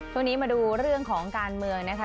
ช่วงนี้มาดูเรื่องของการเมืองนะคะ